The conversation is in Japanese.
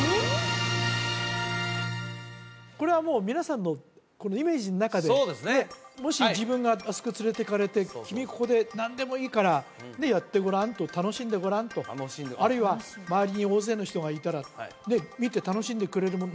これはもう皆さんのこのイメージの中でねっもし自分があそこへ連れていかれて君ここで何でもいいからやってごらんと楽しんでごらんとあるいは周りに大勢の人がいたらねえ見て楽しんでくれるもの